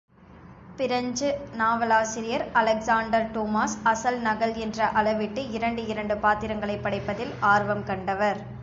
French நாவலாசிரியர் Alexander Dumas அசல்— நகல் என்ற அளவிட்டு இரண்டு இரண்டு பாத்திரங்களைப் படைப்பதில் ஆர்வம் கண்டவர்.